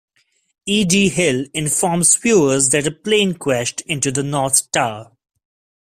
E. D. Hill informs viewers that a plane crashed into the North Tower.